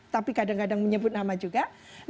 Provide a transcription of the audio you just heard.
tapi kadang kadang menyebut nama juga